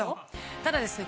ただですね